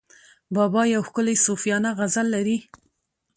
بابا یو ښکلی صوفیانه غزل لري.